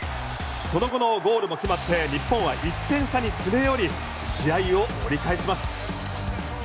その後のゴールも決まって日本は１点差に詰め寄り試合を折り返します。